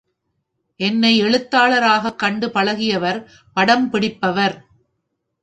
என்னை எழுத்தாளராகக் கண்டு பழகியவர் படம் பிடிப்பவர்.